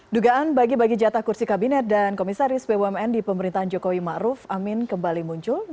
dugaan bagi bagi jatah kursi kabinet dan komisaris bumn di pemerintahan jokowi ⁇ maruf ⁇ amin kembali muncul